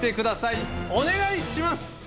お願いします！